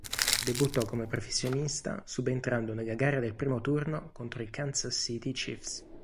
Debuttò come professionista subentrando nella gara del primo turno contro i Kansas City Chiefs.